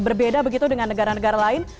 berbeda begitu dengan negara negara lain